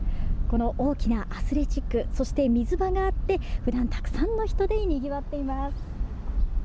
大きなアスレチックそして水場があって普段たくさんの人でにぎわっています。